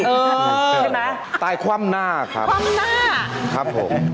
เออใช่ไหมครับตายคว่ำหน้าครับครับผมคว่ำหน้า